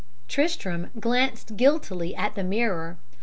"Tristram glanced guiltily at the mirror.